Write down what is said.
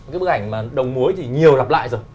cái bức ảnh mà đồng muối thì nhiều lặp lại rồi